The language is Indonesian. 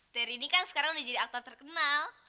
teri ini kan sekarang udah jadi aktor terkenal